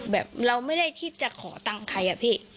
แบบเราไม่ได้คิดจะขอตังค์ใครอะพี่